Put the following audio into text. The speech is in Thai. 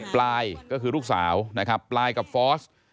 ปลายก็คือลูกสาวปลายกับฟอส